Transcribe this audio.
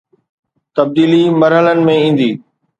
تبديلي مرحلن ۾ ايندي